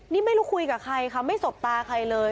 นี่ไม่รู้คุยกับใครค่ะไม่สบตาใครเลย